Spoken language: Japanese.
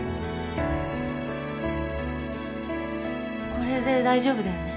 これで大丈夫だよね？